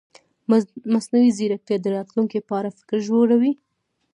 مصنوعي ځیرکتیا د راتلونکي په اړه فکر ژوروي.